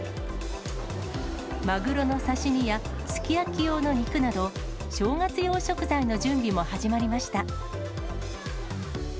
マグロの刺身やすき焼き用の肉など、正月用食材の準備も始まりました。